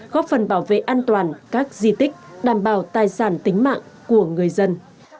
góp phần bảo vệ an toàn các di tích đảm bảo tài sản tính mạng của người dân